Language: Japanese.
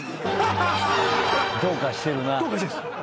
どうかしてるな。